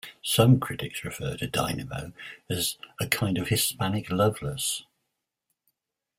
Some critics refer to "Dynamo" as a kind of "hispanic Loveless".